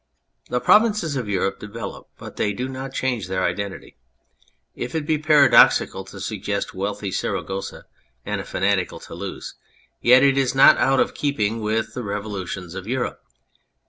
The Provinces of Europe develop, but they do not change their identity. If it be paradoxical to suggest a wealthy Saragossa and a fanatical Toulouse, yet it is not out of keeping with the revolutions of Europe.